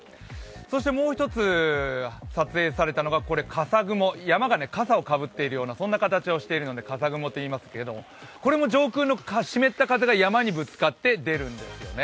そしてもう１つ、撮影されたのが笠雲、山が笠をかぶっているような形をしているので笠雲というんですがこれも上空の湿った雲があるので出るんですね。